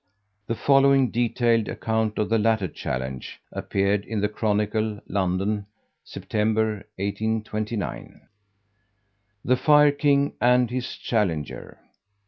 The following detailed account of the latter challenge appeared in the Chronicle, London, September, 1829. THE FIRE KING AND HIS CHALLENGER.